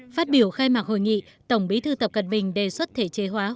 phát biểu khai mạc hội nghị tổng bí thư tập cận bình đề xuất thể chế hóa